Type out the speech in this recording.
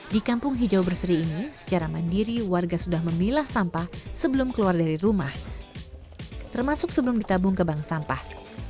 di kampung hijau berseri ini secara mandiri warga sudah memilah sampah sebelum keluar dari rumah termasuk sebelum ditabung ke bank sampah